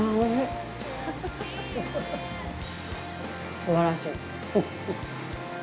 すばらしい。